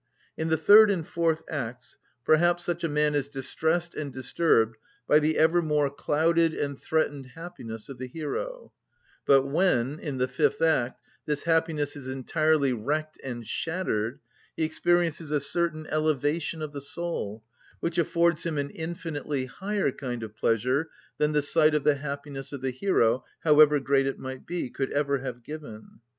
In the third and fourth acts perhaps such a man is distressed and disturbed by the ever more clouded and threatened happiness of the hero; but when, in the fifth act, this happiness is entirely wrecked and shattered, he experiences a certain elevation of the soul, which affords him an infinitely higher kind of pleasure than the sight of the happiness of the hero, however great it might be, could ever have given.